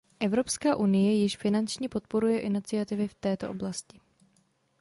Evropská unie již finančně podporuje iniciativy v této oblasti.